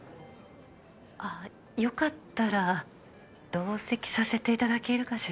あっよかったら同席させていただけるかしら。